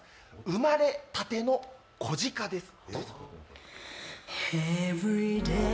生まれたての子鹿です。